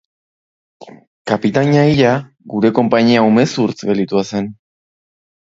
Kapitaina hila, gure konpainia umezurtz gelditua zen.